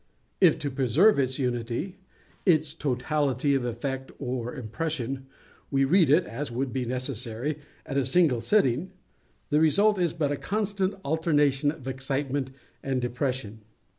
If, to preserve its Unity—its totality of effect or impression—we read it (as would be necessary) at a single sitting, the result is but a constant alternation of excitement and depression.